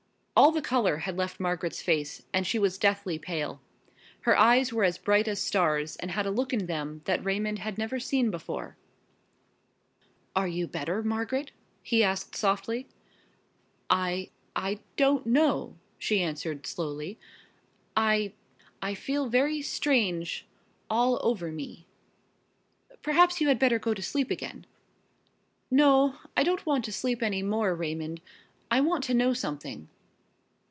All the color had left Margaret's face and she was deathly pale. Her eyes were as bright as stars and had a look in them that Raymond had never before seen. "Are you better, Margaret?" he asked softly. "I I don't know," she answered slowly. "I I feel very strange all over me." "Perhaps you had better go to sleep again." "No, I don't want to sleep any more, Raymond. I want to know something."